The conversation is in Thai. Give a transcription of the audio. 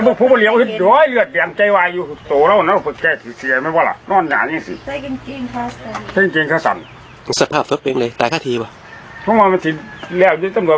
ก็คือตัวผู้ต้องหาบอกว่าสาเหตุที่ไปค่าสารวสตร์จำลัด